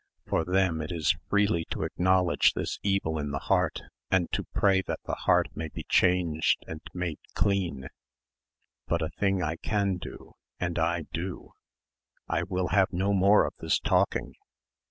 For them it is freely to acknowledge this evil in the heart and to pray that the heart may be changed and made clean. "But a thing I can do and I do.... I will have no more of this talking.